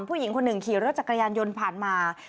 ผู้หญิงคนหนึ่งขี่รถจักรยานยนต์ผ่านมา